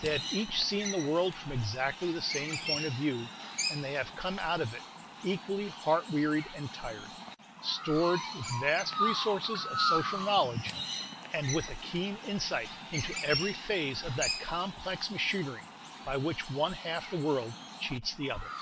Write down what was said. They have each seen the world from exactly the same point of view, and they have come out of it equally heart wearied and tired, stored with vast resources of social knowledge, and with a keen insight into every phase of that complex machinery by which one half the world cheats the other.